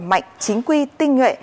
mạnh chính quy tinh nghệ